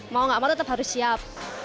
mau nggak mau tetap harus siap